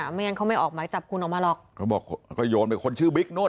ไม่งั้นเขาไม่ออกหมายจับคุณออกมาหรอกเขาบอกก็โยนไปคนชื่อบิ๊กนู่น